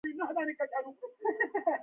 پارلمان کې استازي نه لرل.